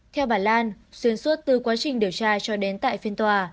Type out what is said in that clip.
theo bà lan xuyên suốt từ quá trình điều tra cho đến tại phiên tòa